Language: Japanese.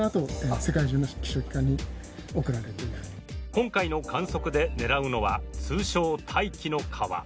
今回の観測で狙うのは通称、大気の河。